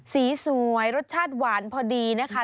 สีสวยรสชาติหวานพอดีนะคะ